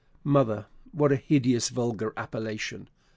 "Mother! What a hideous vulgar appellation!"